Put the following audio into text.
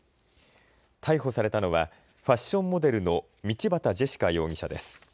逮捕されたのはファッションモデルの道端ジェシカ容疑者です。